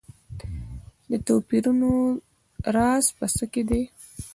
د توپیرونو راز په څه کې دی.